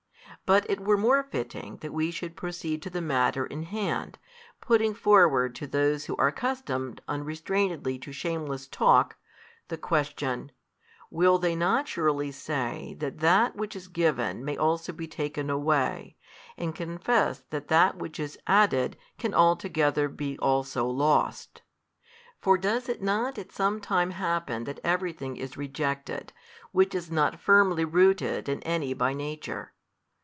But it were more fitting that we should proceed to the matter in hand, putting forward to those who are accustomed unrestrainedly to shameless talk the question, Will they not surely say that that which is given may also be taken away, and confess that that which is added can altogether be also lost? for does it not at |352 some time happen that every thing is rejected, which is not firmly rooted in any by nature?